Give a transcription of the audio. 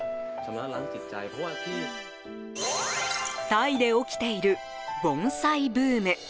タイで起きている盆栽ブーム。